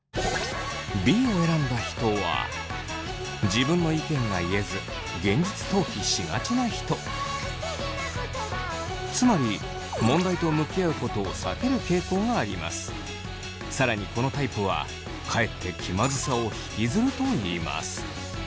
Ｂを選んだ人はつまり更にこのタイプはかえって気まずさを引きずるといいます。